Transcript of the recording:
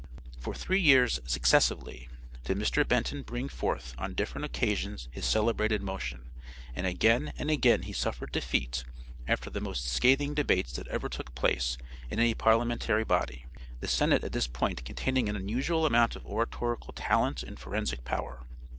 '" For three years successively did Mr. Benton bring forward on different occasions his celebrated motion, and again and again he suffered defeat after the most scathing debates that ever took place in any parliamentary body, the Senate at this time containing an unusual amount of oratorical talent and forensic power.